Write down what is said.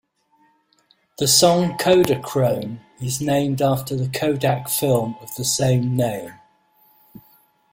The song "Kodachrome" is named after the Kodak film of the same name.